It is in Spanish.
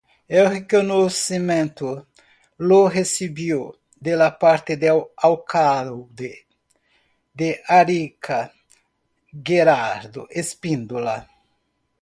El reconocimiento lo recibió de parte del alcalde de Arica Gerardo Espíndola.